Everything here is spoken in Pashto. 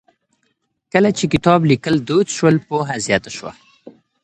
کله چې کتاب ليکل دود شول، پوهه زياته شوه.